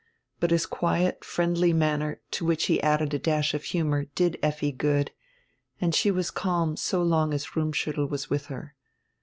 But his quiet, friendly manner, to which he added a dash of humor, did Effi good, and she was calm so long as Rumm schiittel was with her.